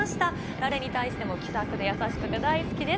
誰に対しても気さくで優しくて大好きです。